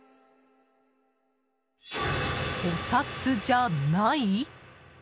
お札じゃない？